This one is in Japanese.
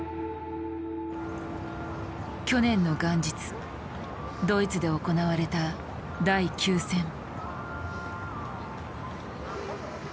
去年の元日ドイツで行われた第９戦。